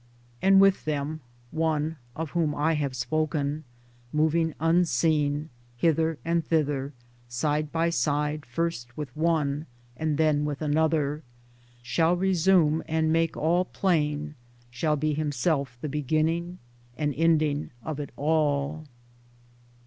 And with them One (of whom I have spoken) moving unseen hither and thither — side by side first with one and then with another — shall resume and make all plain, shall be himself the beginning and ending of it all.